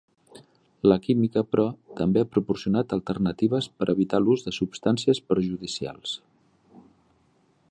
La química, però, també ha proporcionat alternatives per evitar l'ús de substàncies perjudicials.